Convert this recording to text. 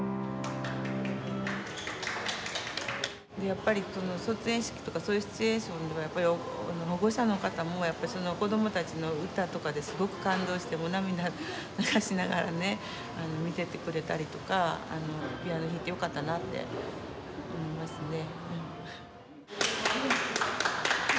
やっぱり卒園式とかそういうシチュエーションでは保護者の方もやっぱり子供たちの歌とかですごく感動して涙流しながらね見ててくれたりとかピアノ弾いてよかったなって思いますね。